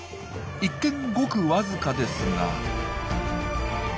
一見ごくわずかですが。